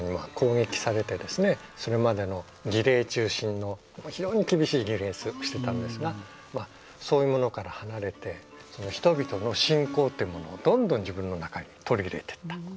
それまでの儀礼中心の非常に厳しい儀礼をしてたんですがそういうものから離れて人々の信仰ってものをどんどん自分の中に取り入れていった。